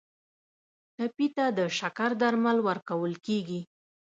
ټپي ته د شکر درمل ورکول کیږي.